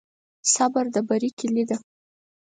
صبر د بری کلي ده.